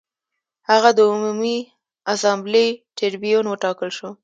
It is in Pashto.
هغه د عمومي اسامبلې ټربیون وټاکل شو